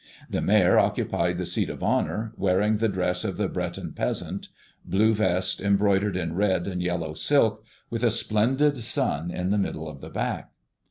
The mayor occupied the seat of honor, wearing the dress of the Breton peasant, blue vest embroidered in red and yellow silk, with a splendid sun in the middle of the back.